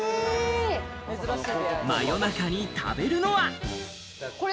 真夜中に食べるのは？